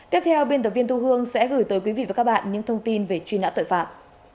tiếp theo biên tập viên thu hương sẽ gửi tới quý vị và các bạn những thông tin về truy nã tội phạm